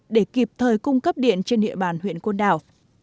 để kịp thời cung cấp điện trên địa bàn huyện côn đảo